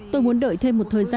tôi muốn đợi thêm một thời gian